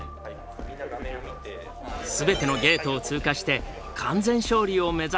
全てのゲートを通過して完全勝利を目指すが。